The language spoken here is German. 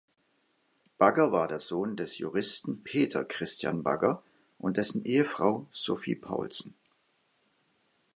Bagger war der Sohn des Juristen Peter Christian Bagger und dessen Ehefrau Sophie Poulsen.